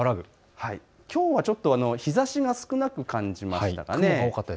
きょうはちょっと日ざしが少なく感じましたがね。